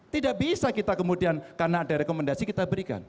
tidak bisa kita kemudian karena ada rekomendasi kita berikan